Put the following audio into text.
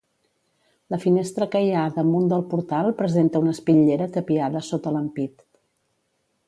La finestra que hi ha damunt del portal presenta una espitllera tapiada sota l'ampit.